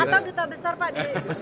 atau duta besar pak di